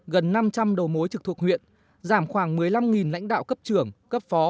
gần năm trăm linh đầu mối trực thuộc huyện giảm khoảng một mươi năm lãnh đạo cấp trưởng cấp phó